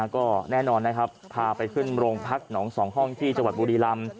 ก็แน่นอนนะครับพาไปขึ้นโรงพักหนอง๒ห้องที่จังหวัดบุรีรำ